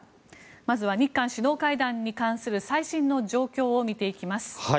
まずは、日韓首脳会談に関する最新の状況を見ていきます。